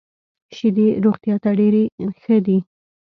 شیدې روغتیا ته ډېري ښه دي .